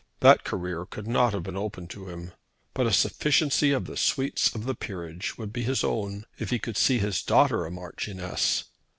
That career could not have been open to him; but a sufficiency of the sweets of the peerage would be his own if he could see his daughter a Marchioness.